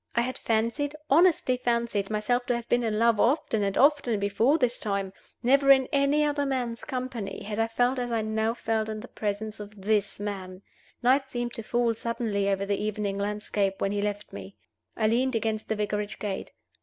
I had fancied, honestly fancied, myself to have been in love often and often before this time. Never in any other man's company had I felt as I now felt in the presence of this man. Night seemed to fall suddenly over the evening landscape when he left me. I leaned against the Vicarage gate.